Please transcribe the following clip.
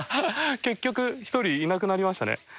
結局１人いなくなりましたね。